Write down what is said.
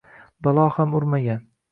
Balo ham urmagan…